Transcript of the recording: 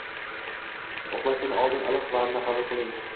Uxlashdan oldin iliq vanna qabul qiling.